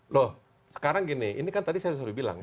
loh sekarang gini ini kan tadi saya sudah bilang